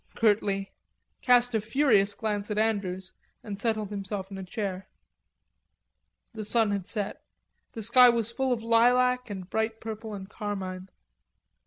curtly, cast a furious glance at Andrews and settled himself in a chair. The sun had set. The sky was full of lilac and bright purple and carmine.